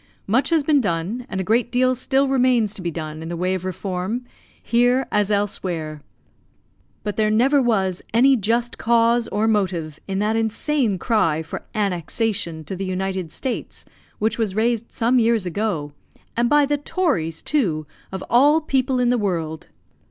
Much has been done, and a great deal still remains to be done in the way of reform, here as elsewhere. But there never was any just cause or motive in that insane cry for "annexation" to the United States, which was raised some years ago, and by the tories, too, of all people in the world!